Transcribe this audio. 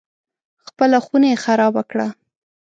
خپله خونه یې خرابه کړه.